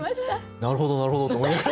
なるほどなるほどと思いながら。